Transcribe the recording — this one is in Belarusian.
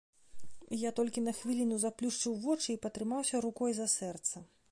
Я толькі на хвіліну заплюшчыў вочы і патрымаўся рукой за сэрца.